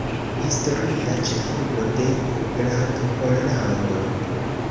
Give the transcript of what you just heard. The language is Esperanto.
Historia ĉefurbo de Grandpollando.